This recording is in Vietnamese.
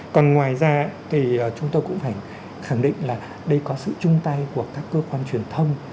còn ngoài ra thì chúng tôi cũng phải khẳng định là đây có sự chung tay của các cơ quan truyền thông